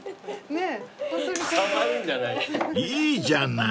［いいじゃない］